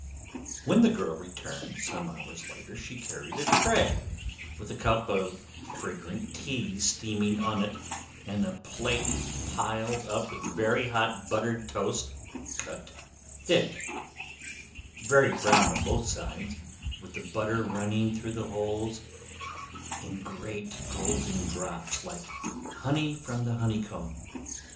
When the girl returned, some hours later, she carried a tray, with a cup of fragrant tea steaming on it; and a plate piled up with very hot buttered toast, cut thick, very brown on both sides, with the butter running through the holes in it in great golden drops, like honey from the honeycomb.